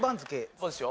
そうですよ